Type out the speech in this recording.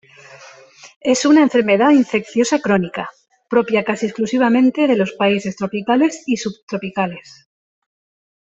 Es una enfermedad infecciosa crónica, propia casi exclusivamente de los países tropicales y subtropicales.